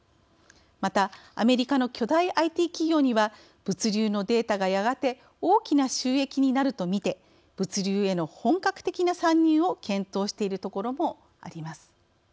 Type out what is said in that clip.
またアメリカの巨大ＩＴ企業には物流のデータがやがて大きな収益になるとみて物流への本格的な参入を検討しているところもあります。